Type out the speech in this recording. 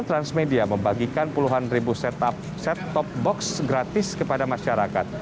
transmedia membagikan puluhan ribu set top box gratis kepada masyarakat